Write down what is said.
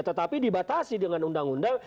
tetapi dibatasi dengan undang undang